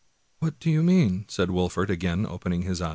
"What do you mean?" said Wolfert, again opening his eyes.